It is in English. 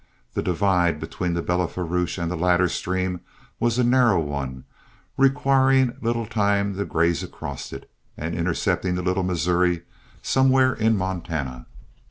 The divide between the Belle Fourche and the latter stream was a narrow one, requiring little time to graze across it, and intercepting the Little Missouri somewhere in Montana.